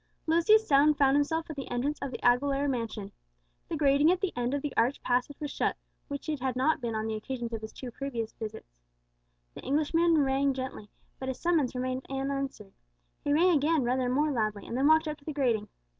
Lucius soon found himself at the entrance of the Aguilera mansion. The grating at the end of the arched passage was shut, which it had not been on the occasions of his two previous visits. The Englishman rang gently, but his summons remained unanswered. He rang again rather more loudly, and then walked up to the grating.